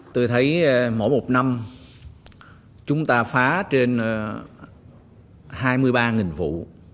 tôi thấy mỗi một năm chúng ta phá trên hai mươi ba vụ